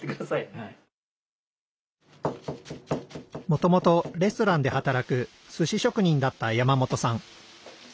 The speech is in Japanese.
もともとレストランで働くすし職人だった山本さん。